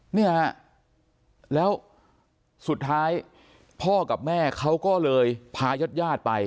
เนี้ยแล้วสุดท้ายพ่อกับแม่เขาก็เลยพายัดยาดไป